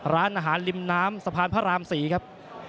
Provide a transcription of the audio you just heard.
ร้านอาหารริมน้ำสะพานพระราม๔ครับ